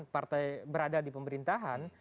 partai berada di pemerintahan